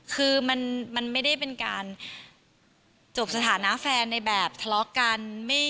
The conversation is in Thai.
คือมันไม่ได้เป็นการจบสถานะแฟนในแบบทะเลาะกัน